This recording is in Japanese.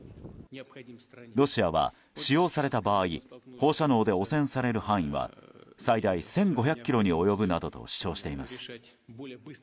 ロシアは、使用された場合放射能で汚染される範囲は最大１５００ｋｍに及ぶなどと主張しています。